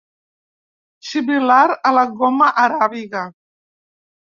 Similar a la goma aràbiga.